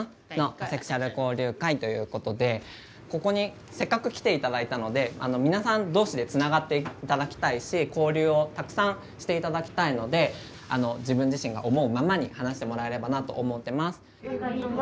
アセクシュアル交流会ということでここにせっかく来て頂いたので皆さん同士でつながって頂きたいし交流をたくさんして頂きたいので自分自身が思うままに話してもらえればなと思ってます。